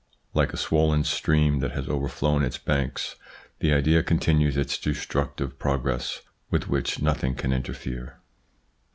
Like a swollen stream that has overflown its banks, the idea continues its destructive progress with which nothing can interfere.